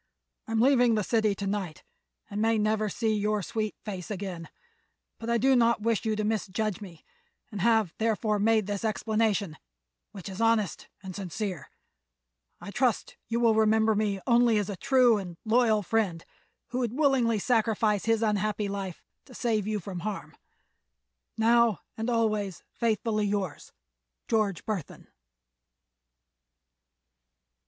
I am leaving the city to night and may never see your sweet face again, but I do not wish you to misjudge me and have, therefore, made this explanation, which is honest and sincere. I trust you will remember me only as a true and loyal friend who would willingly sacrifice his unhappy life to save you from harm. Now and always faithfully yours_, "GEORGE BURTHON."